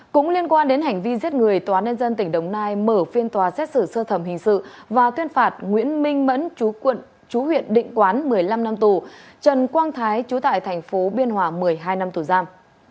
cũng liên quan đến hành vi giết người tòa nhân dân tỉnh đồng nai mở phiên tòa xét xử sơ thẩm hình sự và tuyên phạt nguyễn minh mẫn chú quận chú huyện định quán một mươi năm năm tù trần quang thái chú tại thành phố biên hòa một mươi hai năm tù giam